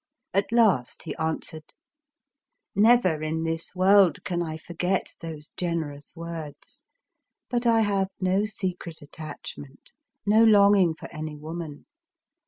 At last he answered :—" Never in this world can I forget those gener ous words. But I have no secret attachment — no longing for any woman.